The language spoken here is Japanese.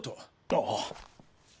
ああ。